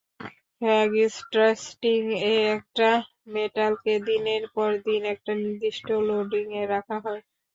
Fatigue টেস্টিং-এ একটা মেটালকে দিনের পর দিন একটা নির্দিষ্ট লোডিং-এ রাখা হয়।